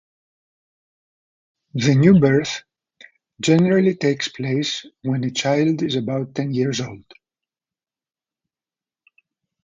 The new birth generally takes place when a child is about ten years old.